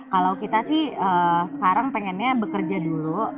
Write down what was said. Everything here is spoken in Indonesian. kalau kita sih sekarang pengennya bekerja dulu